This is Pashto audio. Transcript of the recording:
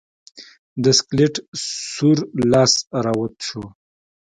د سکلیټ سور لاس راوت شو.